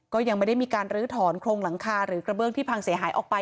ก็ยังไม่ได้มีการลื้อถอนโครงหลังคาหรือกระเบื้องที่พังเสียหายออกไป